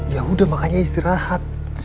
yaudah makanya istirahat